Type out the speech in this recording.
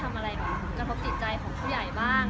มันก็มีแบบบางทีเราเป็นวัยรุ่นที่ถึง๓